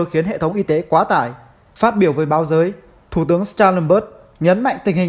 khiến hệ thống y tế quá tải phát biểu với báo giới thủ tướng starlonberg nhấn mạnh tình hình